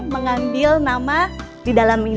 mengambil nama di dalam ini